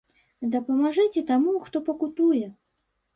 Дапамажыце таму, хто пакутуе.